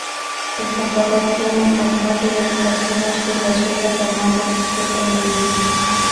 El comprador fue un magnate de casinos de Las Vegas llamado Stephen Wynn.